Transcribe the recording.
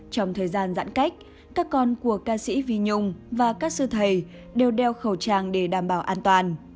trong thời gian giãn cách các con của ca sĩ vi nhung và các sư thầy đều đeo khẩu trang để đảm bảo an toàn